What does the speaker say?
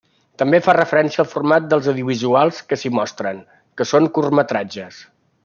També fa referència al format dels audiovisuals que s’hi mostren, que són curtmetratges.